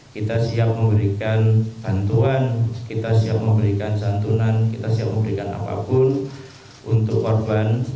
kita siap memberikan bantuan kita siap memberikan santunan kita siap memberikan apapun untuk korban